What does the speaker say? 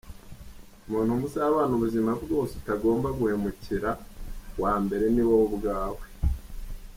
Umuntu muzabana ubuzima bwose utagomba guhemukira wa mbere ni wowe ubwawe.